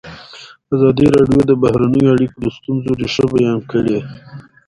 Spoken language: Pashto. ازادي راډیو د بهرنۍ اړیکې د ستونزو رېښه بیان کړې.